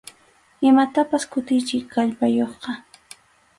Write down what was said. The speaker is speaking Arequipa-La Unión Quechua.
Imatapas kuyuchiq kallpayuqqa.